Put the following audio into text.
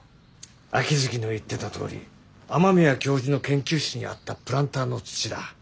秋月の言ってたとおり雨宮教授の研究室にあったプランターの土だ。